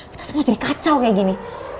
kita semua jadi kacau kayak gini